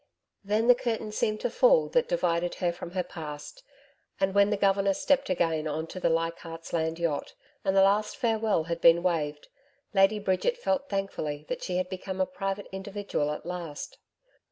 Then the curtain seemed to fall that divided her from her past, and when the Governor stepped again on to the Leichardt's Land yacht, and the last farewell had been waved, Lady Bridget felt thankfully that she had become a private individual at last.